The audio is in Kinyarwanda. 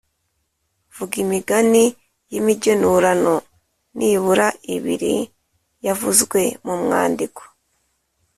Vuga imigani y’imigenurano nibura ibiri yavuzwe mu mwandiko.